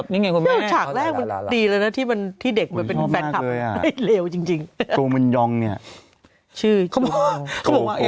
นี่ไงคุณแม่วะใช่